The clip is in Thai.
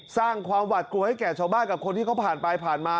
สร้างความหวัดกลัวให้แก่ชาวบ้านกับคนที่เขาผ่านไปผ่านมา